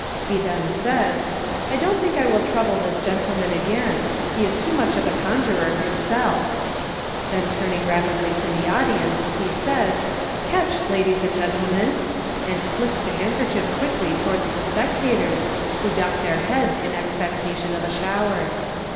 He then says, rt I don't think I will trouble this gentleman again $ he is too much of a conjuror himself ;" then turn ing rapidly to the audience, be says, " Catch, ladies and gentlemen," and "flicks" the handkerchief quickly towards the spectators, who duck their heads in expectation of a shower.